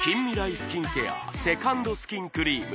スキンケアセカンドスキンクリーム